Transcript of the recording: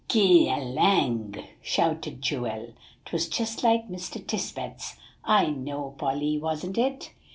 "G'lang!" shouted Joel; "'twas just like Mr. Tisbett's, I know, Polly wasn't it?"